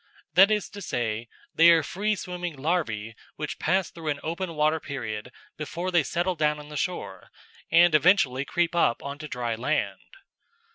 That is to say, they are free swimming larvæ which pass through an open water period before they settle down on the shore, and eventually creep up on to dry land.